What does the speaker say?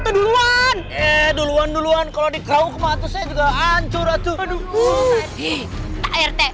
jangan aja dulu duluan duluan dulu duluan kalau dikau kematian juga ancur